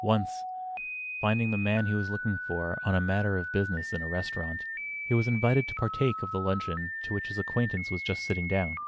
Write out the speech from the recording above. Once, finding the man he was looking for on a matter of business, in a restaurant, he was invited to partake of the luncheon to which his acquaintance was just sitting down.